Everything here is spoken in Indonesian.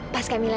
pas kak mila